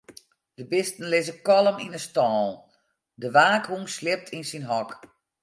De bisten lizze kalm yn 'e stâlen, de waakhûn sliept yn syn hok.